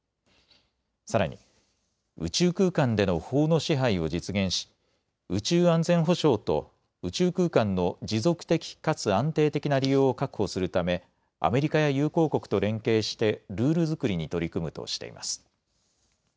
さらに宇宙空間での法の支配を実現し宇宙安全保障と宇宙空間の持続的かつ安定的な利用を確保するためアメリカや友好国と連携してルール作りに取り組むとしています。